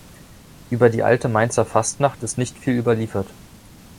Über die alte Mainzer Fastnacht ist nicht viel überliefert.